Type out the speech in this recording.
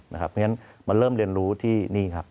เพราะฉะนั้นมาเริ่มเรียนรู้ที่นี่ครับ